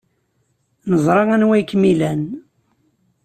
Neẓra anwa ay kem-ilan.